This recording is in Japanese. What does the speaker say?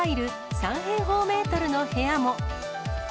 ３平方メートルの部屋も。